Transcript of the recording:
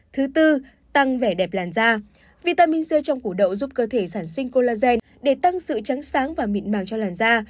thứ tư tăng vẻ đẹp làn da vitamin c trong củ đậu giúp cơ thể sản sinh collagen để tăng sự trắng sáng và mịn màng cho làn da